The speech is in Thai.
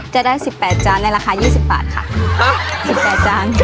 จะได้๑๘จานในราคา๒๐บาทค่ะ๑๘จาน